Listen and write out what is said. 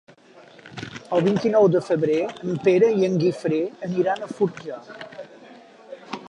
El vint-i-nou de febrer en Pere i en Guifré aniran a Fortià.